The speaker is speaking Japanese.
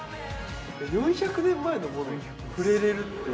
４００年前のものに触れれるって。